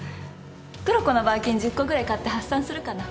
クロコのバーキン１０個ぐらい買って発散するかな。